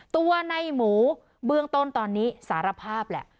ตัวในหมูเบื้องต้นตอนนี้สารภาพแหละ